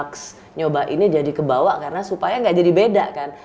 x nyoba ini jadi kebawa karena supaya nggak jadi beda kan